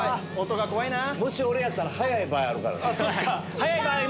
もし俺やったら早い場合あるからな。来た！